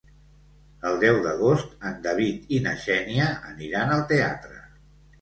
El deu d'agost en David i na Xènia aniran al teatre.